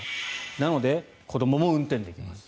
なので、子どもも運転できます。